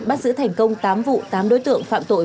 bắt giữ thành công tám vụ tám đối tượng phạm tội